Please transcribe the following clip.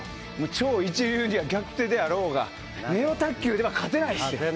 超一流には逆手であろうがネオ卓球では勝てないですよ。